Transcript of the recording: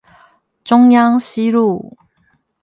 中央西路